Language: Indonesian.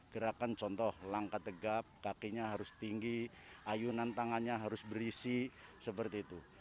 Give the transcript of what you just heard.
gerakan contoh langkah tegap kakinya harus tinggi ayunan tangannya harus berisi seperti itu